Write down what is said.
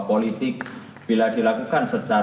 politik bila dilakukan secara